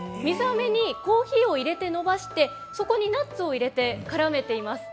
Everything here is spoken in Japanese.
水あめにコーヒーを入れて伸ばしてそこにナッツを入れてからめています。